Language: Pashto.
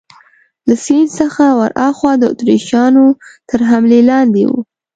له سیند څخه ورهاخوا د اتریشیانو تر حملې لاندې وو.